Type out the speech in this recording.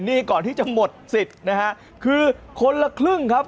นี่ก่อนที่จะหมดสิทธิ์นะฮะคือคนละครึ่งครับ